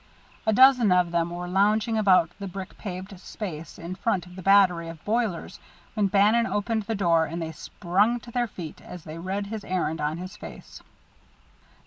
A dozen of them were lounging about the brick paved space in front of the battery of boilers when Bannon opened the door, and they sprang to their feet as they read his errand in his face.